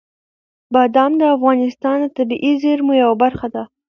بادام د افغانستان د طبیعي زیرمو یوه برخه ده.